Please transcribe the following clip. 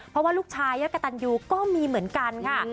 เพราะว่าลูกชายย่ากระตันยูก็มีเหมือนกันค่ะ